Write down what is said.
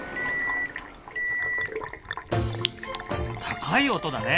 高い音だね。